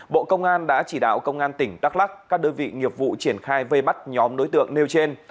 bộ công an đã chỉ đạo công an tỉnh đắk lắc các đơn vị nghiệp vụ triển khai vây bắt nhóm đối tượng nêu trên